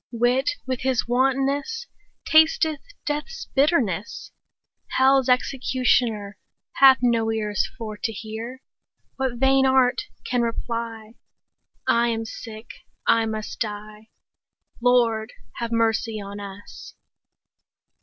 Wit with his wantonness Tasteth death's bitterness; 30 Hell's executioner Hath no ears for to hear What vain art can reply; I am sick, I must die— Lord, have mercy on us!